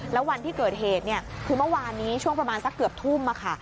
แล้ววันที่เกิดเหตุคือเมื่อวานนี้ช่วงประมาณสักเกือบทุ่มค่ะ